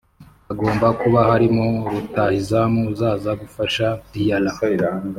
Hagomba kuba harimo rutahizamu uzaza gufasha Diarra